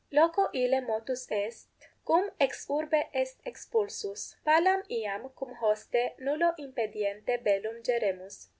Loco ille motus est, cum ex urbe est expulsus. Palam iam cum hoste nullo impediente bellum geremus.